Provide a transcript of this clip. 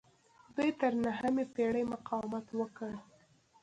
دوی تر نهمې پیړۍ مقاومت وکړ